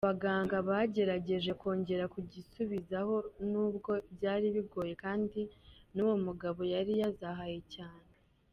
Abaganga bagerageje kongera kugisubizaho nubwo byari bigoye kandi n'uwo mugabo yari yazahaye cyane.